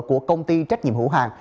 của công ty trách nhiệm hữu hạng